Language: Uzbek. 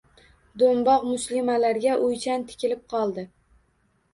Do‘mboq muslimalarga o‘ychan tikilib qoldi.